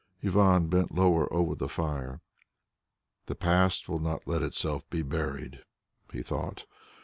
Ivan bent lower over the fire. "The past will not let itself be buried," he thought.